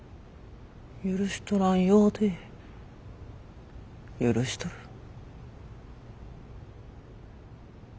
許しとらんようで許しとる。